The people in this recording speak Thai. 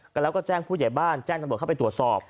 แล้วก็แจ้งผู้ใหญ่บ้านแจ้งตำรวจเข้าไปตรวจสอบ